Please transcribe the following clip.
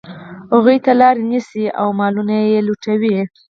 هغوی ته لاري نیسي او مالونه یې لوټي.